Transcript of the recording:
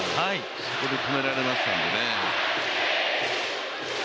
そこを止められましたんでね。